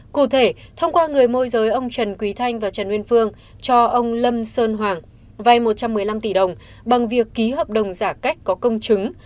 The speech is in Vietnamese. cụ thể thông qua người môi giới ông trần quý thanh và trần nguyên phương cho ông lâm sơn hoàng vay một trăm một mươi năm tỷ đồng bằng việc ký hợp đồng giả cách có công chứng